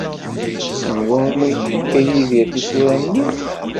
Anwa umi yefka Yidir tisura-nni?